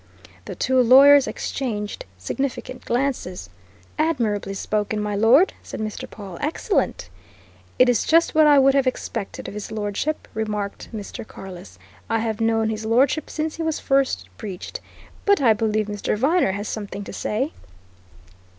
The two lawyers exchanged significant glances. "Admirably spoken, My Lord!" said Mr. Pawle. "Excellent!" "It is just what I would have expected of his Lordship," remarked Mr. Carless. "I have known His Lordship since he was first breeched! But I believe Mr. Viner has something to say?"